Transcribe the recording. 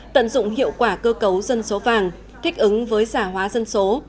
tận dụng hiệu quả cơ cấu dân số vàng thích ứng với giả hóa dân số